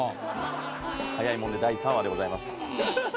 早いもので第三話でございます。